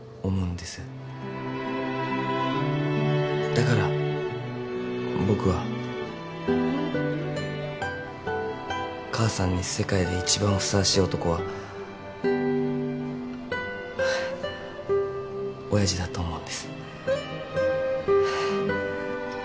だから僕は母さんに世界で一番ふさわしい男は親父だと思うんです。